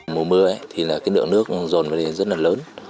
mùa mưa thì lượng nước dồn vào đây rất là lớn